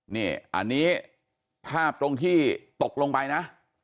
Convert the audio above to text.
นี่อันนี้ภาพตรงที่ตกลงไปนะ